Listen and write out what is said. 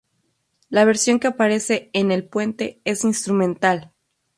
La versión que aparece en "El puente" es instrumental.